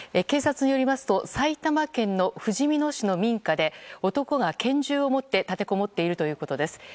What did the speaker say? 警察によりますと埼玉県のふじみ野市の民家で男が拳銃を持って立てこもっているということです。